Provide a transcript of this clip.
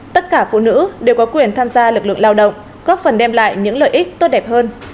tất cả phụ nữ đều có quyền tham gia lực lượng lao động góp phần đem lại những lợi ích tốt đẹp hơn